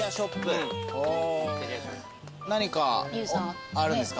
何かあるんですか？